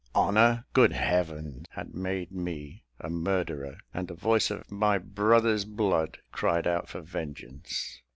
"Honour," good heaven! had made me a murderer, and the voice of my brother's blood cried out for vengeance.